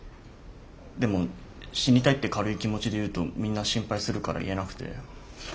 でも死にたいって軽い気持ちで言うとみんな心配するから言えなくて。